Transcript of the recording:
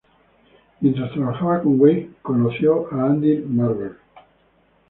Mientras trabajaba con Wake, el conoció a Andy Marvel.